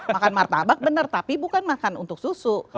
makan martabak benar tapi bukan makan untuk susu